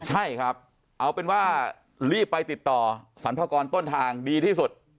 ใช่ครับเอาเป็นว่ารีบไปติดต่อสรรพากรต้นทางดีที่สุด